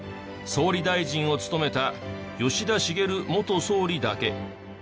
総理大臣を務めた吉田茂元総理だけ。